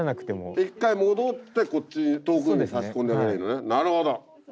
１回戻ってこっち遠くに刺し込んであげればいいのねなるほど。